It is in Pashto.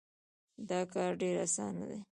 دا کار ډېر اسان دی.